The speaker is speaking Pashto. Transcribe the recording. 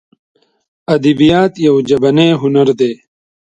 ادبیات یو ژبنی هنر دی.